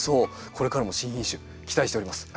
これからも新品種期待しております。